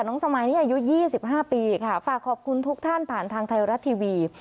น้องสมัยนี้อายุยี่สิบห้าปีค่ะฝากขอบคุณทุกท่านผ่านทางไทยรัตน์ทีวี